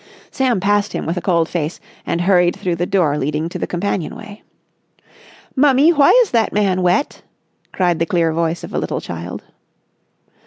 Sam passed him with a cold face and hurried through the door leading to the companion way. "Mummie, why is that man wet?" cried the clear voice of a little child.